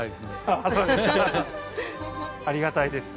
ありがたいです。